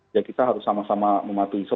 ya kita harus sama sama mematuhi